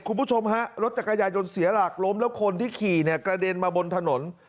คุณผู้ชมฮะรถจักรยายนเสียหลักล้มแล้วคนที่ขี่เนี่ยกระเด็นมาบนถนน